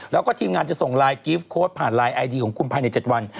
แล้วก็ทีมงานจะส่งรายกิฟต์โค้ดผ่านรายไอดีของคุณภายใน๗วัน